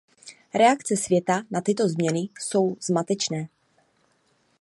Reakce světa na tyto změny jsou zmatečné.